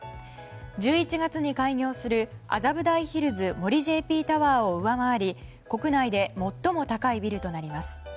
１１月に開業する麻布台ヒルズ森ＪＰタワーを上回り国内で最も高いビルとなります。